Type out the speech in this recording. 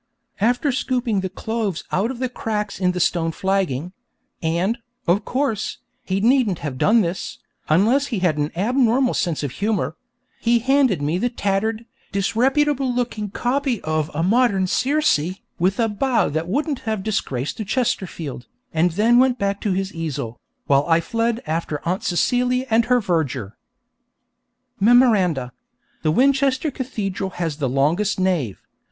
After scooping the cloves out of the cracks in the stone flagging and, of course, he needn't have done this, unless he had an abnormal sense of humour he handed me the tattered, disreputable looking copy of 'A Modern Circe,' with a bow that wouldn't have disgraced a Chesterfield, and then went back to his easel, while I fled after Aunt Celia and her verger. Memoranda: _The Winchester Cathedral has the longest nave.